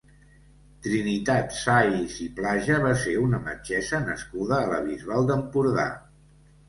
Trinitat Sais i Plaja va ser una metgessa nascuda a la Bisbal d'Empordà.